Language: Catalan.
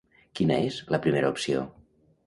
Quina és, la primera opció?